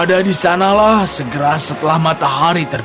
berada di sanalah segera setelah matahari terbenam